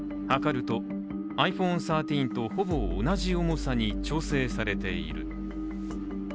量ると、ｉＰｈｏｎｅ１３とほぼ同じ重さに調整されている。